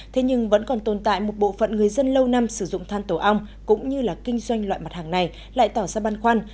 thế nhưng vẫn còn tồn tại một bộ phận người dân lâu năm sử dụng than tổ ong cũng như là kinh doanh loại mặt hàng này lại tỏ ra băn khoăn